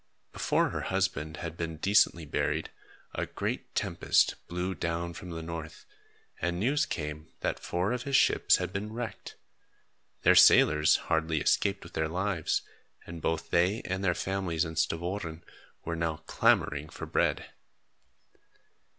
Before her husband had been decently buried, a great tempest blew down from the north, and news came that four of his ships had been wrecked. Their sailors hardly escaped with their lives, and both they and their families in Stavoren were now clamoring for bread.